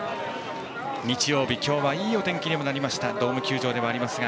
日曜日、今日はいいお天気でしたドーム球場ではありますが。